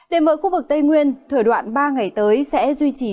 đềm vợi khu vực tây nguyên thời đoạn ba ngày tới sẽ duy trì